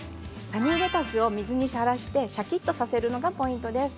サニーレタスを水に浸してシャキっとさせることがポイントです。